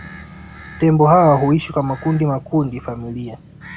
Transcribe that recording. Tembo hawa huishi kwa makundi makundi familia